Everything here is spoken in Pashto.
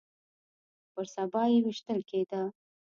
پر سبا يې ويشتل کېده.